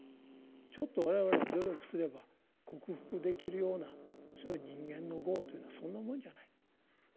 ちょっと我々が努力すれば克服できるようなそういう人間の業というのはそんなものじゃない。